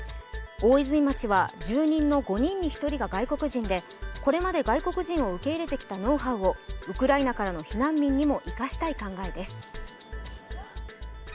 大泉町は住人の５人に１人が外国人でこれまで外国人を受け入れてきたノウハウをウクライナからの避難民にも生かしたい考えです。